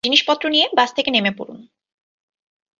জিনিসপত্র নিয়ে বাস থেকে নেমে পড়ুন।